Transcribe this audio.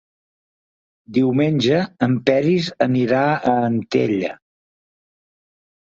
Diumenge en Peris anirà a Antella.